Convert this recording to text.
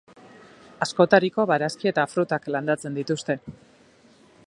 Askotariko barazki eta frutak landatzen dituzte.